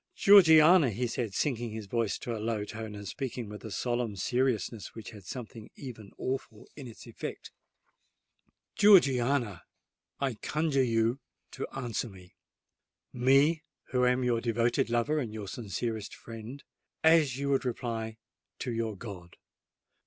Georgiana," he said, sinking his voice to a low tone, and speaking with a solemn seriousness which had something even awful in its effect,—"Georgiana, I conjure you to answer me,—me, who am your devoted lover and your sincerest friend,—as you would reply to your God!